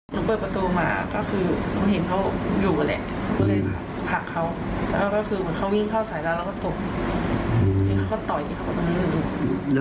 หนูเปิดประตูมาก็คือเห็นเขาอยู่แหละ